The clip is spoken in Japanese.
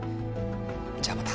じゃあまた。